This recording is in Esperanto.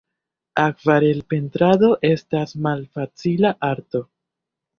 Akvarelpentrado estas malfacila arto.